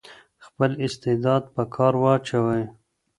خپل استعداد په کار واچوئ.